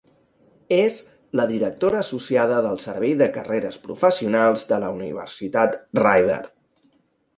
És la directora associada del Servei de Carreres Professionals de la Universitat Rider.